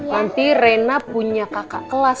nanti rena punya kakak kelas